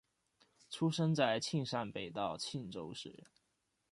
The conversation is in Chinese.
出生在庆尚北道庆州市。